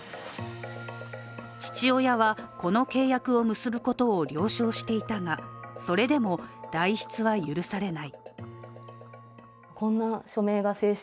父親はこの契約を結ぶことを了承していたがそれでも代筆は許されない。